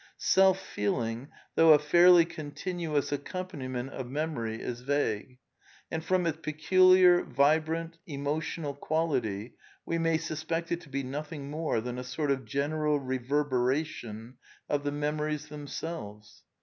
Self feeling, though a fairly contin vj uous accompaniment of memory, is va^e; and from its peculiar vit emotional qualiiy we Zj Suspect it to be nothing more than a sort of general reverberation of the memories themselves.